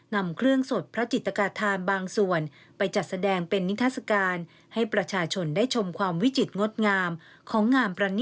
นำเครื่องสดพระจิตฏฆาตธานบางส่วน